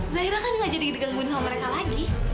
zahira kan gak jadi digangguin sama mereka lagi